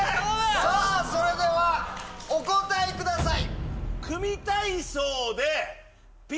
それではお答えください。